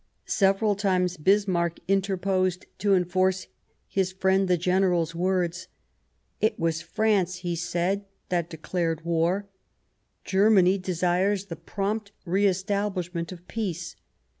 Several times Bismarck interposed to enforce his friend, the general's, words. "It was France," he said, "that declared war; Germany desires the prompt re establishment of peace.